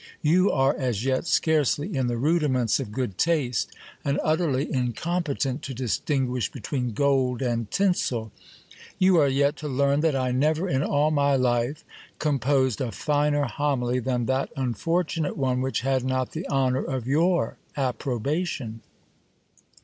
You are as yet scarcely in the rudiments of good taste, and utterly incom petent to distinguish between gold and tinseL You are yet to learn that I never in all my life composed a finer homily than that unfortunate one which had not the honour of your approbation.